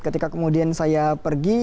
ketika kemudian saya pergi